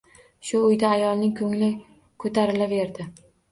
Shu oʻyda ayolning koʻngli koʻtarilaverdi…